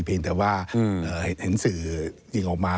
เพียงแต่ว่าเห็นสื่อยิงออกมา